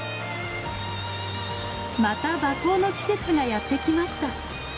また馬耕の季節がやってきました。